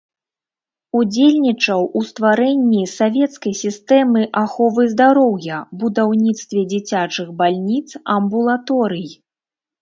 Удзельнічаў у стварэнні савецкай сістэмы аховы здароўя, будаўніцтве дзіцячых бальніц, амбулаторый.